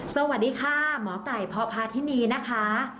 สวัสดีค่ะมหาก่ายพอพาร์ทินีนะคะ